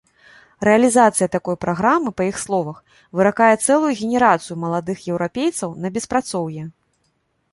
Рэалізацыя такой праграмы, па іх словах, выракае цэлую генерацыю маладых еўрапейцаў на беспрацоўе.